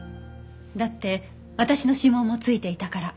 だって私の指紋も付いていたから。